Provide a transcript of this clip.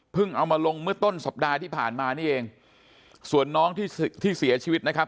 เอามาลงเมื่อต้นสัปดาห์ที่ผ่านมานี่เองส่วนน้องที่ที่เสียชีวิตนะครับ